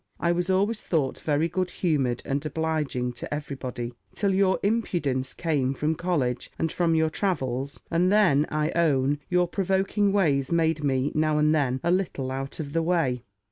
I was always thought very good humoured and obliging to every body, till your impudence came from college, and from your travels; and then, I own, your provoking ways made me now and then a little out of the way."